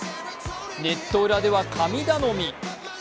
ネット裏では神頼み。